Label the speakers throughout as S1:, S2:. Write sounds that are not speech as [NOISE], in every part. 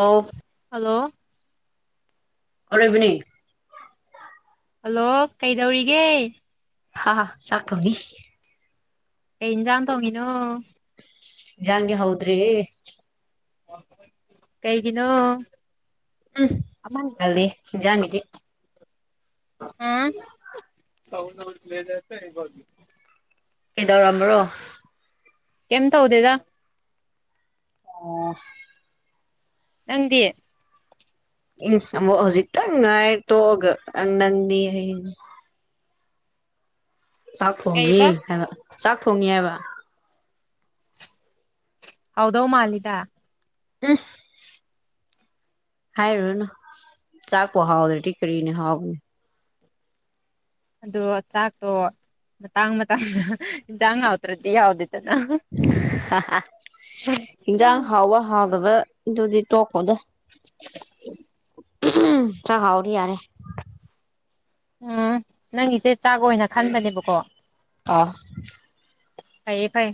S1: ꯑꯥꯎ
S2: ꯇꯣ
S1: ꯑꯔꯣꯏꯕꯅꯤ
S2: ꯍꯜꯂꯣ ꯀꯩꯗꯧꯔꯤꯒꯦ
S1: ꯍꯥ ꯍꯥ ꯆꯥꯛ ꯊꯣꯡꯉꯤ
S2: ꯀꯩ ꯏꯟꯖꯥꯡ ꯊꯣꯡꯉꯤꯅꯣ
S1: ꯌꯥꯥꯟꯒꯦ ꯍꯧꯗ꯭ꯔꯤ ꯍꯦ
S2: ꯀꯩꯒꯤꯅꯣ
S1: ꯎꯝ ꯇꯜꯂꯤ ꯑꯦꯟꯁꯥꯡꯒꯤꯗꯤ
S2: [UNINTELLIGIBLE]
S1: ꯀꯗꯧꯔꯝꯕ꯭ꯔꯣ
S2: ꯀꯩꯝ ꯇꯧꯗꯦꯗ
S1: ꯑꯣ
S2: ꯅꯪꯗꯤ
S1: ꯎꯝ ꯑꯃꯨꯛ ꯍꯧꯖꯤꯛꯀꯟ ꯉꯥꯏ ꯇꯧꯒ ꯅꯪꯗꯤ ꯍꯥꯏꯌꯦ ꯆꯥꯛ ꯊꯣꯡꯉꯤ
S2: ꯀꯩꯕ
S1: ꯍꯥꯏꯕ ꯆꯥꯛ ꯊꯣꯡꯉꯤꯍꯥꯏꯕ
S2: ꯍꯥꯎꯗꯧ ꯃꯥꯂꯤꯗ
S1: ꯎꯝ ꯍꯥꯏꯔꯨꯔꯅꯨ ꯆꯥꯛꯄꯨ ꯍꯥꯎꯗ꯭ꯔꯗꯤ ꯀꯔꯤꯅꯤ ꯍꯥꯎꯒꯅꯤ
S2: ꯑꯗꯣ ꯆꯥꯛꯇꯣ ꯃꯇꯥꯡ ꯃꯇꯥꯡꯗ ꯏꯟꯁꯥꯡ ꯍꯥꯎꯗ꯭ꯔꯗꯤ ꯌꯥꯎꯗꯦ
S1: ꯍꯥ ꯍꯥ ꯏꯟꯖꯥꯡ ꯍꯥꯎꯕ ꯍꯥꯎꯗꯕ ꯑꯗꯨꯗꯤ ꯇꯣꯛꯈꯣꯗ ꯆꯥꯛ ꯍꯥꯎꯔꯗꯤ ꯌꯥꯔꯦ
S2: ꯎꯝ ꯅꯪꯒꯤꯁꯦ ꯆꯥꯛ ꯑꯣꯏꯅ ꯈꯟꯕꯅꯦꯕꯀꯣ
S1: ꯑꯥ
S2: ꯐꯩꯌꯦ ꯐꯩꯌꯦ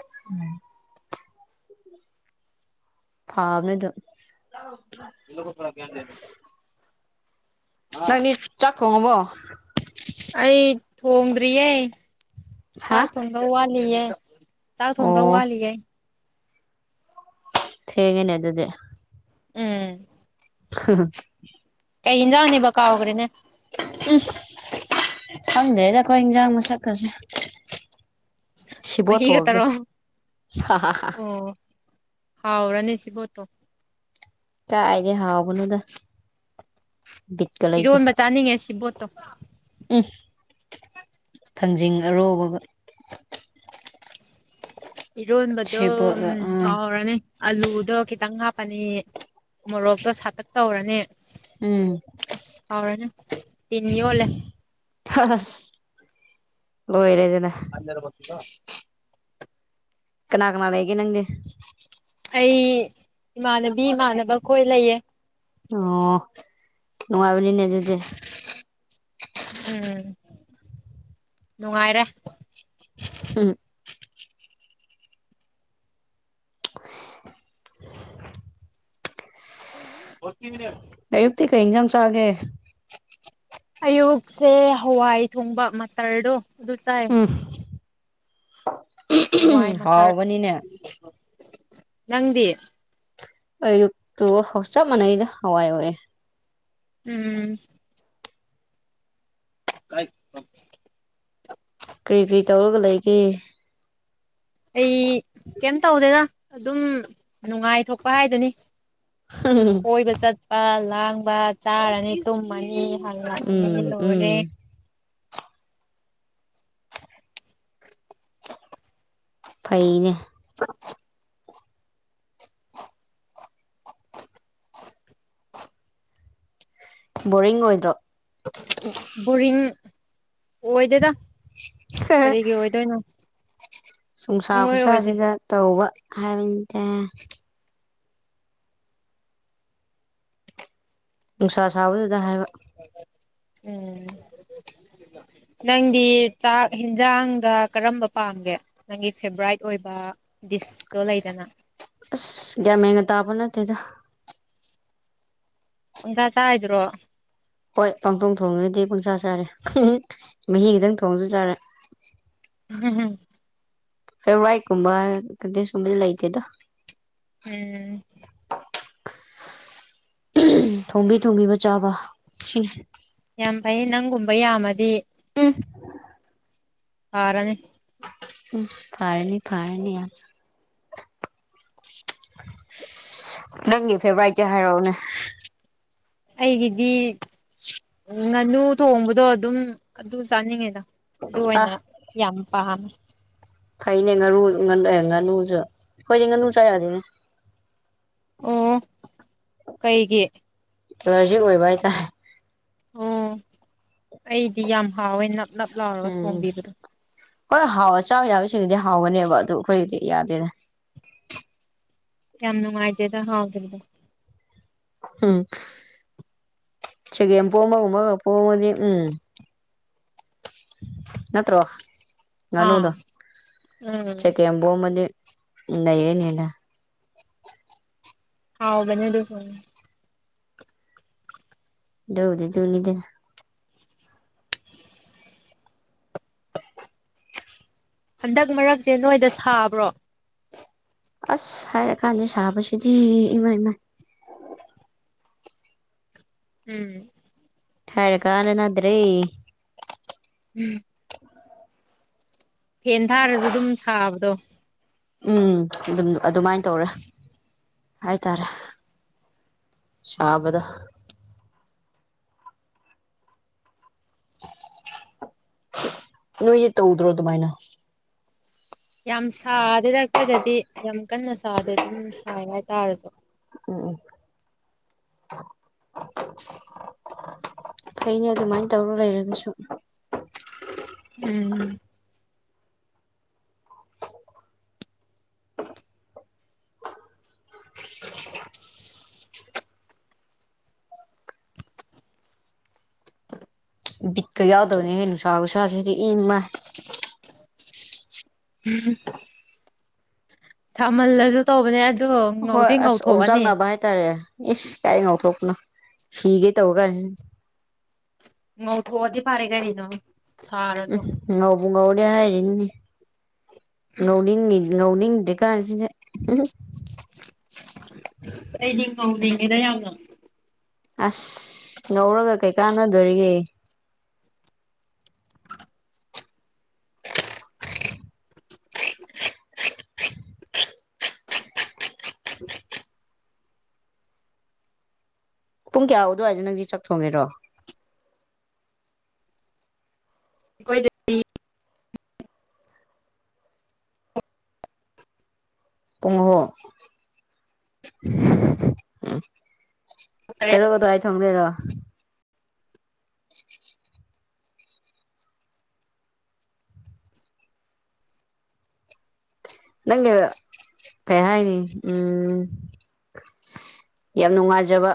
S1: [INAUDIBLE] ꯐꯥꯕꯅꯦꯗꯨꯝ
S2: [INAUDIBLE]
S1: ꯅꯪꯅꯤ ꯆꯥꯛꯊꯣꯡꯉꯕꯣ
S2: ꯑꯩ ꯊꯣꯡꯗ꯭ꯔꯤꯌꯦ
S1: ꯍꯥ
S2: ꯆꯥꯛ ꯊꯣꯡꯗꯧ ꯋꯥꯠꯂꯤꯌꯦ ꯆꯥꯛ
S1: ꯑꯣ
S2: ꯊꯣꯡꯗꯧ ꯋꯥꯠꯂꯤꯒꯦ
S1: ꯊꯦꯡꯉꯦꯅꯦ ꯑꯗꯨꯗꯤ
S2: ꯎꯝ
S1: [INAUDIBLE]
S2: ꯀꯩ ꯑꯦꯟꯖꯥꯡꯅꯦꯕ ꯑꯣꯏꯒ꯭ꯔꯦꯅꯦ
S1: ꯈꯪꯗꯦꯗ ꯈꯣꯏꯖꯥꯡ ꯃꯁꯛꯀꯁꯦ ꯁꯤꯕꯣꯠꯇ
S2: ꯃꯍꯤꯒ
S1: ꯊꯣꯡꯉꯦ
S2: ꯇꯧꯔꯣ
S1: ꯍꯍꯍ
S2: ꯍꯥꯎ ꯔꯅꯤ ꯁꯤꯕꯣꯠ ꯊꯣꯡ
S1: ꯀꯥꯏꯗꯩ ꯍꯥꯥꯎꯕꯅꯣꯗ
S2: ꯏꯔꯣꯟꯕ ꯆꯥꯅꯤꯡꯉꯦ ꯁꯤꯕꯣꯠꯇꯣ
S1: ꯎꯝ ꯊꯥꯡꯖꯤꯡ ꯑꯔꯣꯕꯒ
S2: ꯏꯔꯣꯟꯕꯗꯣ ꯎꯝ ꯍꯥꯎꯔꯅꯤ ꯑꯂꯨꯗꯣ ꯈꯤꯇꯪ ꯍꯥꯞꯄꯅꯤ ꯃꯣꯔꯣꯛꯇꯣ ꯁꯥꯇꯛ ꯇꯧꯔꯅꯤ
S1: ꯎꯝ
S2: ꯑꯁ ꯍꯥꯎꯔꯅ ꯇꯤꯟ ꯌꯣꯠꯂꯦ
S1: ꯍꯍ ꯍꯁ ꯂꯣꯏꯔꯦ
S2: [UNINTELLIGIBLE]
S1: ꯀꯅꯥ ꯀꯅꯥ ꯂꯩꯒꯦ ꯅꯪꯒꯤ
S2: ꯑꯩ ꯏꯃꯥꯟꯅꯕꯤ ꯏꯃꯥꯟꯅꯕ ꯈꯣꯏ ꯂꯩꯌꯦ
S1: ꯑꯣ ꯅꯨꯡꯉꯥꯏꯕꯅꯤꯅꯦ ꯗꯨꯗꯤ
S2: ꯎꯝ ꯅꯨꯡꯉꯥꯏꯔꯦ
S1: ꯎꯝ
S2: [INAUDIBLE]
S1: ꯑꯌꯨꯛꯇꯤ ꯀꯩ ꯑꯦꯟꯖꯥꯡ ꯆꯥꯒꯦ
S2: ꯑꯌꯨꯛꯁꯦ ꯍꯋꯥꯏ ꯊꯣꯡꯕ ꯃꯠꯇꯔꯗꯣ ꯑꯗꯨ ꯆꯥꯏ
S1: ꯎꯝ
S2: ꯍꯋꯥꯏ ꯃꯇꯔ
S1: ꯍꯥꯎꯕꯅꯤꯅꯦ
S2: ꯅꯪꯗꯤ
S1: ꯑꯌꯨꯛꯇꯣ ꯆꯞ ꯃꯅꯩꯗ ꯍꯋꯥꯏ ꯑꯣꯏ
S2: ꯎꯝ ꯀꯥꯏ
S1: ꯀ꯭ꯔꯤ ꯀ꯭ꯔꯤ ꯇꯧꯔꯒ ꯂꯩꯒꯦ
S2: ꯑꯩ ꯀꯩꯝ ꯇꯧꯗꯦꯗ ꯑꯗꯨꯝ ꯅꯨꯡꯉꯥꯏꯊꯣꯛꯄ ꯍꯥꯏꯗꯨꯅꯤ ꯀꯣꯏꯕ ꯆꯠꯄ ꯂꯥꯡꯕ ꯆꯥꯔꯅꯤ ꯇꯨꯝꯃꯅꯤ ꯍꯜꯂꯛꯑꯅꯤ
S1: ꯎꯝ
S2: ꯂꯣꯏꯔꯦ
S1: ꯎꯝ ꯐꯩꯅꯦ [INAUDIBLE] ꯕꯣꯔꯤꯡ ꯑꯣꯏꯗ꯭ꯔꯣ
S2: ꯕꯣꯔꯤꯡ ꯑꯣꯏꯗꯦꯗ ꯀꯔꯤꯒꯤ ꯑꯣꯏꯗꯣꯏꯅꯣ
S1: ꯅꯨꯡꯁꯥ
S2: ꯁꯨꯡꯑꯣꯏ ꯑꯣꯏꯗꯦ
S1: ꯈꯨꯠꯁꯥꯁꯤꯗ ꯇꯧꯕ ꯍꯥꯏꯕꯅꯤꯇ ꯅꯨꯡꯁꯥ ꯁꯥꯕꯗꯨꯗ ꯍꯥꯏꯕ
S2: ꯎꯝ ꯅꯪꯗꯤ ꯆꯥꯛ ꯍꯦꯟꯖꯥꯡꯗ ꯀꯔꯝꯕ ꯄꯥꯝꯒꯦ ꯅꯪꯒꯤ ꯐꯦꯚꯣꯔꯥꯏꯠ ꯑꯣꯏꯕ ꯏꯁ ꯇꯣ ꯂꯩꯗꯅ
S1: ꯑꯁ ꯒ꯭ꯌꯥ ꯃꯦꯒ ꯇꯥꯕ ꯅꯠꯇꯦꯗ
S2: ꯄꯪꯆꯥ ꯆꯥꯏꯗꯨꯔꯣ
S1: ꯍꯣꯏ ꯄꯪꯊꯣꯡ ꯊꯣꯡꯉꯗꯤ ꯄꯨꯡꯆꯥ ꯆꯥꯔꯦ ꯃꯍꯤ ꯈꯤꯇꯪ ꯊꯣꯡꯁꯨ ꯆꯥꯔꯦ
S2: [UNINTELLIGIBLE]
S1: ꯐꯦꯕꯋꯥꯏꯠ ꯀꯨꯝꯕ ꯀꯗꯤ ꯁꯨꯡꯂꯩ ꯂꯩꯇꯦꯗ
S2: ꯎꯝ
S1: ꯊꯣꯡꯕꯤ ꯊꯣꯡꯕꯤꯕ ꯆꯥꯕ ꯁꯤ
S2: ꯌꯥꯝ ꯐꯩꯌꯦ ꯅꯪꯒꯨꯝꯕ ꯌꯥꯝꯃꯗꯤ ꯐꯔꯅꯦ
S1: ꯎꯝ ꯐꯥꯔꯅꯤ ꯐꯥꯔꯅꯤ ꯌꯥꯝ ꯅꯪꯒꯤ ꯐꯦꯚꯣꯔꯥꯏꯠꯀꯤ ꯍꯥꯏꯔꯛꯑꯣꯅꯦ
S2: ꯑꯩꯒꯤꯗꯤ
S1: [INAUDIBLE]
S2: ꯉꯥꯅꯨ ꯊꯣꯡꯕꯗꯣ ꯑꯗꯨꯝ ꯑꯗꯨ ꯆꯥꯅꯤꯡꯉꯤꯗ ꯑꯗꯨ ꯑꯣꯏꯅ
S1: ꯑꯥ
S2: ꯌꯥꯝ ꯄꯥꯝꯃꯦ
S1: ꯐꯩꯅꯦ ꯉꯥꯔꯨ ꯉꯥꯅꯨ ꯉꯥꯅꯨꯖꯨ ꯈꯣꯏꯗꯤ ꯉꯥꯅꯨ ꯆꯥꯌꯥꯗꯦꯅꯦ
S2: ꯑꯣ ꯀꯩꯒꯤ
S1: ꯑꯦꯂꯔꯖꯤꯛ ꯑꯣꯏꯕ ꯍꯥꯏꯇꯥꯔꯦ
S2: ꯑꯣ ꯑꯩꯗꯤ ꯌꯥꯝ ꯍꯥꯎꯋꯦ ꯅꯞ ꯅꯞ ꯂꯥꯎꯔꯒ
S1: ꯎꯝ
S2: ꯊꯣꯡꯕꯤꯗꯣ
S1: ꯍꯣꯏ ꯍꯥꯎ ꯆ ꯆꯥꯎ ꯌꯥꯕꯁꯤꯡꯗꯨꯗꯤ ꯍꯥꯎꯒꯅꯦꯕ ꯑꯗꯨ ꯑꯩꯈꯣꯏꯒꯤꯗꯤ ꯌꯥꯗꯦꯗ
S2: ꯌꯥꯝ ꯅꯨꯡꯉꯥꯏꯇꯦꯗ ꯍꯥꯎꯕꯅꯤꯗꯣ
S1: ꯎꯝ ꯆꯒꯦꯝꯄꯣꯝꯕꯒꯨꯝꯕꯒ ꯄꯣꯝꯃꯗꯤ ꯎꯝ ꯅꯇ꯭ꯔꯣ
S2: ꯑꯥ
S1: ꯉꯅꯨꯗꯣ
S2: ꯎꯝ
S1: ꯆꯒꯦꯝꯄꯣꯃꯗꯤ ꯅꯩꯔꯅꯤꯅ
S2: ꯍꯥꯎꯕꯅꯦ ꯗꯨꯁꯨ
S1: ꯗꯨꯕꯨꯗꯤ ꯗꯨꯅꯤꯗꯅ
S2: ꯍꯟꯗꯛ ꯃꯔꯛꯁꯦ ꯅꯣꯏꯗ ꯁꯥꯕ꯭ꯔꯣ
S1: ꯑꯁ ꯍꯥꯏꯔꯀꯥꯟꯗ ꯁꯥꯕꯁꯤꯗꯤ ꯏꯃ ꯃꯥꯏ
S2: ꯎꯝ
S1: ꯍꯥꯢꯔ ꯀꯥꯅ ꯅꯗ꯭ꯔꯦ
S2: [INAUDIBLE] ꯐꯦꯟ ꯊꯥꯔꯁꯨ ꯑꯗꯨꯝ ꯁꯥꯕꯗꯣ
S1: ꯎꯝ ꯑꯗꯨꯝ ꯑꯗꯨꯃꯥꯏꯅ ꯇꯧꯔꯦ ꯍꯥꯏꯇꯥꯔꯦ ꯁꯥꯕꯗ ꯅꯣꯏꯌꯦ ꯇꯧꯗ꯭ꯔꯣ ꯑꯗꯨꯃꯥꯏꯅ
S2: ꯌꯥꯝ ꯁꯥꯗꯦꯗ ꯑꯩꯈꯣꯏꯗꯗꯤ ꯌꯥꯝ ꯀꯟꯅ ꯁꯥꯗꯦ ꯑꯗꯨꯝ ꯁꯥꯏ ꯍꯥꯏꯇꯥꯔꯁꯨ
S1: ꯎꯝ ꯐꯩꯅꯦ ꯑꯗꯨꯃꯥꯏꯅ ꯇꯧꯔ ꯂꯩꯔꯒꯁꯨ
S2: ꯎꯝ
S1: ꯕꯤꯠꯀ ꯌꯥꯎꯗꯅꯦ ꯅꯨꯡꯁꯥ ꯈꯨꯁꯥꯁꯤꯗꯤ ꯏꯃꯥꯏ
S2: [INAUDIBLE] ꯁꯃꯜꯂꯁꯨ ꯇꯧꯕꯅꯦ ꯍꯥꯏ
S1: ꯍꯣꯏ ꯑꯁ ꯑꯣꯝꯆꯥꯛꯅꯕ ꯍꯥꯏꯇꯥꯔꯦ ꯏꯁꯁ ꯀꯥꯏ ꯉꯧꯊꯣꯛꯄꯅꯣ ꯁꯤꯒꯦ ꯇꯧꯔ ꯀꯥꯟꯁꯤ
S2: ꯉꯧꯊꯣꯛ ꯑꯗꯤ ꯐꯔꯦ ꯀꯔꯤꯅꯣ ꯁꯥꯔꯁꯨ
S1: ꯎꯝ ꯉꯥꯎꯕ ꯉꯥꯎꯗꯦ ꯍꯥꯏꯅꯤ ꯉꯧꯅꯤꯡꯉꯤꯅꯤ ꯉꯧꯅꯤꯡꯗꯦ ꯀꯥꯟꯁꯤꯗ
S2: ꯑꯁ ꯑꯩꯗꯤ ꯉꯧꯅꯤꯡꯉꯤꯗ ꯌꯥꯝꯅ
S1: ꯑꯁ ꯉꯧꯔꯒ ꯀꯩ ꯀꯥꯟꯅꯗꯣꯔꯤꯒꯦ ꯄꯨꯡ ꯀꯌꯥ ꯑꯗꯨꯋꯥꯏꯗ ꯅꯪꯗꯤ ꯆꯥꯛ ꯊꯣꯡꯉꯦꯔꯣ
S2: [UNINTELLIGIBLE]
S1: ꯄꯨꯡ ꯑꯍꯨꯝ ꯇꯔꯨꯛ ꯑꯗꯨꯋꯥꯏ ꯊꯣꯡꯗꯣꯏꯔꯣ [INAUDIBLE] ꯅꯪ ꯀꯩ ꯍꯥꯏꯅꯤ ꯎꯝ ꯌꯥꯝ ꯅꯨꯡꯉꯥꯏꯖꯕ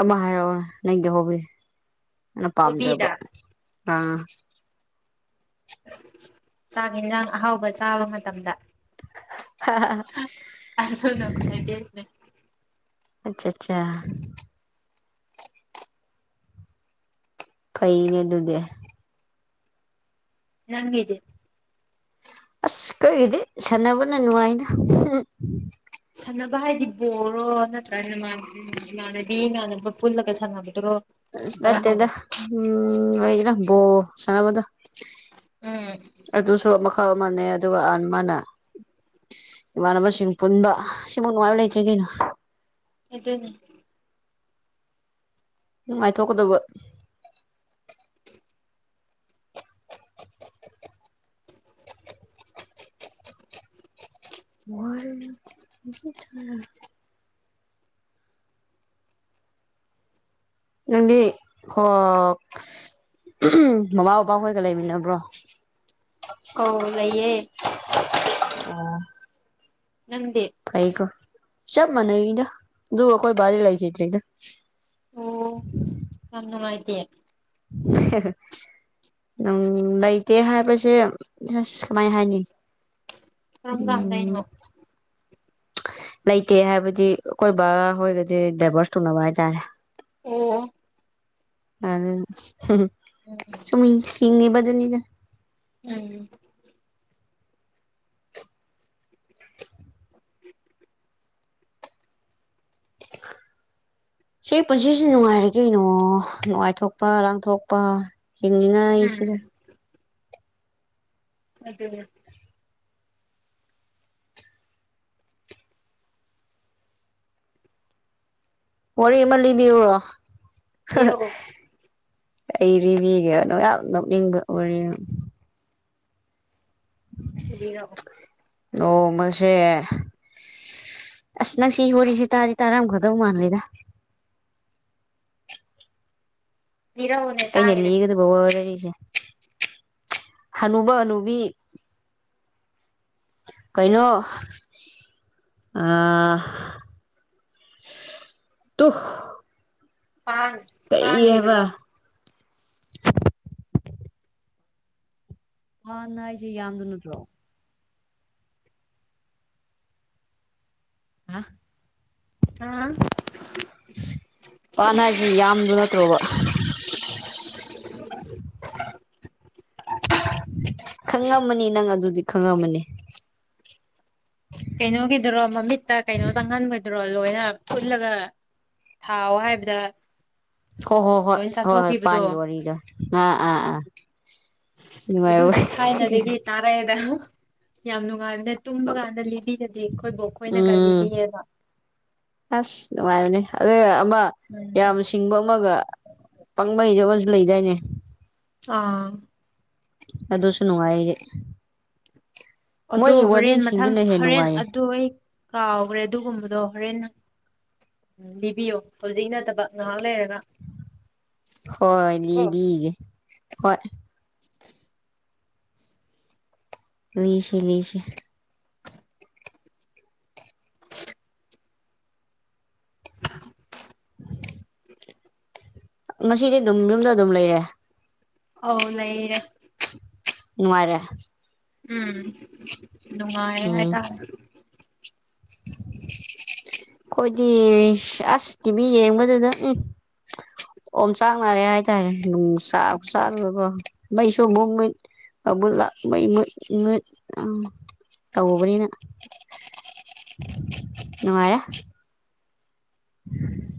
S1: ꯑꯃ ꯍꯥꯏꯔꯣ ꯅꯪꯒꯤ ꯍꯣꯕꯤ ꯅꯪꯅ ꯄꯥꯝꯖꯕ
S2: ꯀꯣꯕꯤꯗ
S1: ꯑꯥ
S2: ꯑꯁ ꯆꯥꯛ ꯌꯦꯟꯁꯥꯡ ꯑꯍꯥꯎꯕ ꯆꯥꯕ ꯃꯇꯝꯗ ꯑꯗꯨꯅ ꯈ꯭ꯋꯥꯏ ꯕꯦꯁꯅꯦ
S1: ꯑꯆꯥ ꯆꯥꯆꯥ ꯐꯩꯅꯦ ꯑꯗꯨꯗꯤ
S2: ꯅꯪꯒꯤꯗꯤ
S1: ꯑꯁ ꯀꯔꯤꯒꯤꯗꯤ ꯁꯥꯟꯅꯕꯅ ꯅꯨꯡꯉꯥꯏꯗ
S2: ꯁꯥꯟꯅꯕ ꯍꯥꯏꯗꯤ ꯕꯣꯜꯂꯣ ꯅꯠꯇ꯭ꯔꯒꯅ ꯏꯃꯥꯟꯅꯕꯤ ꯏꯃꯥꯟꯅꯕ ꯄꯨꯜꯂꯒ ꯁꯥꯟꯅꯕ
S1: ꯑꯁ ꯅꯠꯇꯦꯗ ꯎꯝ ꯑꯣꯏꯒꯦꯔ ꯕꯣꯜ ꯁꯥꯟꯅꯕꯗ
S2: ꯎꯝ
S1: ꯑꯗꯨꯁꯨ ꯃꯈꯜ ꯑꯃꯅꯦ ꯑꯗꯨꯒ ꯑꯥꯥ ꯑꯃꯅ ꯏꯃꯥꯟꯅꯕꯁꯤꯡ ꯄꯨꯟꯕ ꯁꯤꯃꯨꯛ ꯅꯨꯡꯉꯥꯏꯕ ꯂꯩꯇꯦ ꯀꯩꯅꯣ
S2: ꯑꯗꯨꯅꯤ
S1: ꯅꯨꯡꯉꯥꯏꯊꯣꯛꯀꯗꯧꯕ ꯋꯥꯔꯅꯤ ꯉꯁꯤ ꯊꯨꯅ ꯅꯪꯗꯤ ꯍꯣꯏ ꯃꯥꯃꯥ ꯕꯥꯕꯥ ꯈꯣꯏꯒ ꯂꯩꯃꯤꯟꯅꯕ꯭ꯔꯣ
S2: ꯑꯧ ꯂꯩꯥꯌꯦ
S1: ꯑꯣ
S2: ꯅꯪꯗꯤ
S1: ꯐꯩꯀꯣ ꯆꯞ ꯃꯥꯟꯅꯩꯗ ꯑꯗꯨꯕꯨ ꯈꯣꯏ ꯕꯥꯗꯤ ꯂꯩꯈꯤꯗ꯭ꯔꯦꯗ
S2: ꯇꯦ
S1: ꯪ ꯂꯩꯇꯦ ꯍꯥꯏꯕꯁꯦ ꯑꯁ ꯁꯨꯃꯥꯏ ꯍꯥꯏꯅꯤ
S2: ꯀꯔꯝ
S1: ꯎꯝ
S2: ꯀꯥꯟꯗꯩꯅꯣ
S1: ꯂꯩꯇꯦ ꯍꯥꯏꯕꯗꯤ ꯑꯈꯣꯏꯕ ꯍꯣꯏꯒꯗꯤ ꯗꯥꯏꯚꯣꯔꯁ ꯇꯧꯅꯕ ꯍꯥꯏꯇꯥꯔꯦ
S2: ꯑꯣ
S1: ꯑꯗꯨꯅꯤ
S2: ꯎꯝ
S1: ꯁꯨꯝ ꯍꯤꯡꯂꯤꯕꯅꯤꯗꯨꯅꯤꯗ
S2: ꯎꯝ
S1: ꯁꯤ ꯄꯨꯟꯁꯤꯁꯤ ꯅꯨꯡꯉꯥꯏꯔ ꯀꯩꯅꯣ ꯅꯨꯡꯉꯥꯏꯊꯣꯛꯄ ꯂꯥꯡꯊꯣꯛꯄ ꯍꯤꯡꯉꯤꯅ ꯑꯩꯁꯤꯗ
S2: ꯎꯝ ꯑꯗꯨꯅꯤ
S1: ꯋꯥꯔꯤ ꯑꯃ ꯂꯤꯕꯤꯌꯨꯔꯣ
S2: ꯂꯤꯔꯛꯑꯣ
S1: ꯑꯩ ꯔꯤꯕꯤꯒꯦ ꯌꯥꯝ ꯅꯣꯛꯅꯤꯡꯕ ꯋꯥꯔꯤ ꯑꯃ
S2: ꯂꯤꯔꯛꯑꯣ
S1: ꯑꯣ ꯃꯁꯦ ꯑꯁ ꯅꯪ ꯁꯤ ꯋꯥꯔꯤꯁꯤ ꯇꯥꯗꯤ ꯇꯥꯔꯥꯝ ꯒꯗꯧ ꯃꯥꯜꯂꯤꯗ
S2: ꯂꯤꯔꯛꯑꯣꯅꯦ
S1: ꯑꯩꯅ
S2: ꯇꯥꯒꯦꯅꯦ
S1: ꯂꯤꯒꯗꯕ ꯋꯥꯔꯤ ꯍꯅꯨꯕ ꯍꯅꯨꯕꯤ ꯀꯩꯅꯣ ꯑꯥ ꯇꯨ
S2: ꯄꯥꯟ
S1: ꯀꯔꯤ
S2: ꯄꯥꯟꯒꯤꯗꯨ ꯔꯣ
S1: ꯍꯥꯏꯕ ꯄꯥꯟ ꯍꯥꯢꯖꯦ ꯌꯥꯝꯗꯨ ꯅꯠꯇ꯭ꯔꯣ ꯍꯥ
S2: ꯑꯥ
S1: ꯄꯥꯟ ꯍꯥꯏꯁꯦ ꯌꯥꯝꯗꯨ ꯅꯠꯇ꯭ꯔꯣꯕ ꯈꯪꯉꯝꯃꯅꯤ ꯅꯪ ꯑꯗꯨꯗꯤ ꯈꯪꯉꯝꯃꯅꯤ
S2: ꯀꯩꯅꯣꯒꯤꯗꯨꯔꯣ ꯃꯃꯤꯠꯇ ꯀꯩꯅꯣ ꯆꯪꯉꯟꯕꯗꯨꯔꯣ ꯂꯣꯏꯅ ꯄꯨꯜꯂꯒ ꯊꯥꯎ ꯍꯥꯏꯕꯗ
S1: ꯍꯣ ꯍꯣ ꯍꯣꯏ
S2: ꯂꯣꯏ
S1: ꯍꯣꯏ ꯍꯣꯏ
S2: ꯆꯥꯊꯣꯛꯈꯤꯕꯗꯣ
S1: ꯄꯥꯟꯒꯤ ꯋꯥꯔꯤꯒ ꯑꯥ ꯑꯥ ꯑꯥ
S2: ꯑꯁ
S1: ꯅꯨꯡꯉꯥꯏꯕ
S2: ꯑꯗꯨꯗꯤ ꯊꯥꯏꯅꯗꯒꯤ ꯇꯥꯔꯛꯑꯦꯗ ꯌꯥꯝ ꯅꯨꯡꯉꯥꯏꯝ ꯅ ꯇꯨꯝꯕ ꯀꯥꯟꯗ ꯂꯤꯕꯤꯔꯗꯤ ꯑꯩꯈꯣꯏ ꯕꯣꯛ ꯈꯣꯏꯅꯒ
S1: ꯎꯝ
S2: ꯂꯤꯕꯤꯌꯦꯕ
S1: ꯑꯁ ꯅꯨꯡꯉꯥꯏꯕꯅꯦ ꯑꯗꯨꯒ ꯑꯃ ꯌꯥꯝ
S2: ꯎꯝ
S1: ꯁꯤꯡꯕ ꯑꯃꯒ ꯄꯪꯕ ꯍꯩꯗꯕ ꯑꯃꯁꯨ ꯂꯩꯗꯥꯏꯅꯦ
S2: ꯑꯥ
S1: ꯑꯗꯨꯁꯨ ꯅꯨꯡꯉꯥꯏꯌꯦ
S2: ꯑꯗꯣ ꯍꯣꯔꯦꯟ ꯃꯊꯪ
S1: ꯍꯦꯟꯅ
S2: ꯍꯔꯦꯟ
S1: ꯅꯨꯡꯉꯥꯏꯌꯦ
S2: ꯑꯗꯨ ꯑꯩ ꯀꯥꯎꯒ꯭ꯔꯦ ꯑꯗꯨꯒꯨꯝꯕꯗꯣ ꯍꯣꯔꯦꯟ ꯂꯤꯕꯤꯌꯣ ꯍꯧꯖꯤꯛ ꯅꯠꯇꯕ ꯉꯥꯏꯍꯥꯛ ꯂꯩꯔ
S1: ꯍꯣꯏ
S2: ꯀꯣ
S1: ꯂꯤꯕꯤꯒꯦ ꯍꯣꯏ
S2: [INAUDIBLE]
S1: ꯂꯤꯁꯤ ꯂꯤꯁꯤ
S2: [INAUDIBLE]
S1: ꯉꯁꯤꯗꯤ ꯑꯗꯨꯝ ꯌꯨꯝꯗ ꯑꯗꯨꯝ ꯂꯩꯔꯦ
S2: ꯑꯧ ꯂꯩꯔꯦ
S1: ꯅꯨꯡꯉꯥꯢꯔꯦ
S2: ꯎꯝ ꯅꯨꯡꯉꯥꯏꯔꯦ ꯍꯥꯏꯇꯥꯔꯦ
S1: [INAUDIBLE] ꯑꯈꯣꯏꯗꯤ ꯑꯁ ꯇꯤꯚꯤ ꯌꯦꯡꯕꯗꯨꯗ ꯎꯝ ꯑꯣꯝ ꯆꯥꯛꯅꯔꯦ ꯍꯥꯏꯇꯥꯔꯦ ꯅꯨꯡꯆꯥ ꯆꯗꯨꯒ ꯃꯩꯁꯨ ꯑꯃꯨꯛ ꯃꯨꯠ ꯑꯃꯨ ꯂꯥꯛ ꯃꯩ ꯃꯨꯠ ꯃꯨꯠ ꯑ ꯇꯧꯕꯅꯤꯅ ꯅꯨꯡꯉꯥꯏꯔꯦ [INAUDIBLE]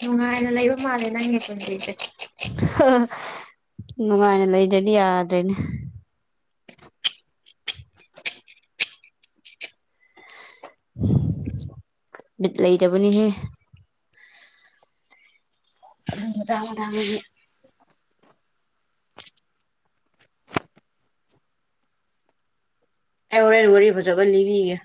S2: ꯅꯨꯡꯉꯥꯏꯅ ꯂꯩꯕ ꯃꯥꯜꯂꯦ ꯅꯪꯒꯤ ꯄꯨꯟꯁꯤꯁꯦ
S1: ꯅꯨꯡꯉꯥꯏꯅ ꯂꯩꯗꯗꯤ ꯌꯥꯗ꯭ꯔꯦꯅꯦ ꯕꯤꯠ ꯂꯩꯇꯕꯅꯤꯍꯦ ꯑꯗꯨꯝ ꯃꯗꯥ ꯗꯥꯗꯒꯤ ꯑꯩ ꯍꯣꯔꯦꯟ ꯋꯥꯔꯤ ꯐꯖꯕ ꯂꯤꯕꯤꯒꯦ